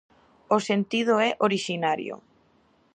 O sentido é orixinario.